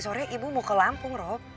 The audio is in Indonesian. akhirnya ibu mau ke lampung rob